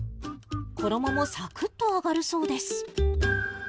衣もさくっと揚がるそうです。